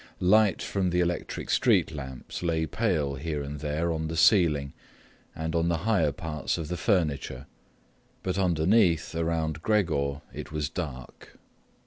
Light from the electric streetlamps lay pale here and there on the ceiling and on the higher parts of the furniture, but underneath around Gregor it was dark.